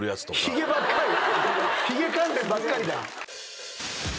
ひげ関連ばっかりだ。